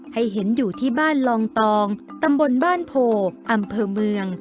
ให้เห็นอยู่ที่บ้านลองตองตำบลบ้านโพอำเภอเมือง